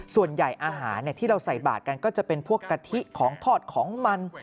ส่วนใหญ่อาหารที่เราใส่บาทกันก็จะเป็นพวกกะทิของทอดของมัน